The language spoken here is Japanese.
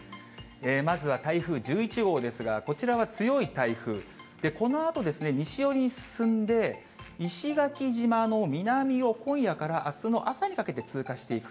まずは台風１１号ですが、こちらは強い台風、このあと、西寄りに進んで、石垣島の南を今夜からあすの朝にかけて通過していく。